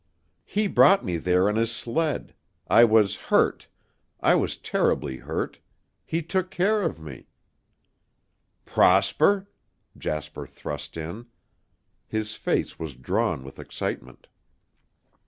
He brought me there on his sled. I was hurt. I was terribly hurt. He took care of me " "Prosper?" Jasper thrust in. His face was drawn with excitement.